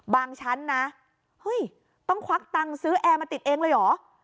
ชั้นนะเฮ้ยต้องควักตังค์ซื้อแอร์มาติดเองเลยเหรอ